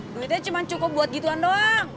duitnya cuma cukup buat gituan doang